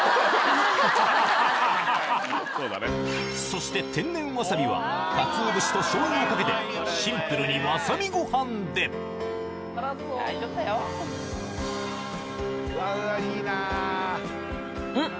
そして天然わさびはかつお節としょうゆをかけてシンプルにわさびごはんでんっ！